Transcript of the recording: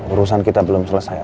urusan kita belum berakhir